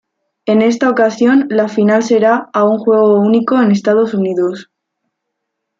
En esta ocasión la final será a un juego único en Estados Unidos.